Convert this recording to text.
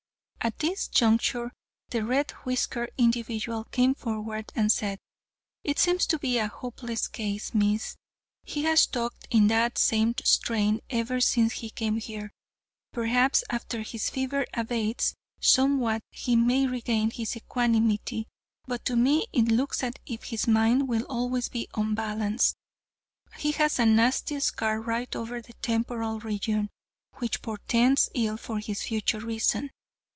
At this juncture the red whiskered individual came forward and said: "It seems to be a hopeless case, Miss. He has talked in that same strain ever since he came here. Perhaps after his fever abates somewhat he may regain his equanimity, but to me it looks as if his mind will always be unbalanced. He has a nasty scar right over the temporal region, which portends ill for his future reason.